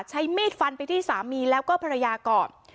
ใช้มีดฟันไปที่สามีแล้วก็ภรรยาก่อน